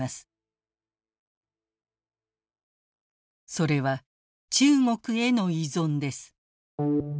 それは中国への依存です。